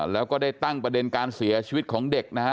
แล้วก็ได้ตั้งประเด็นการเสียชีวิตของเด็กนะฮะ